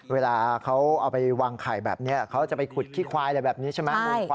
เวลาเขาเอาไปวางไข่แบบนี้เขาจะไปขุดขี้ควายอะไรแบบนี้ใช่ไหม